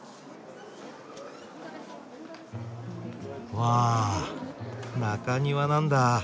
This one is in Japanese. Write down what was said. わあ中庭なんだ。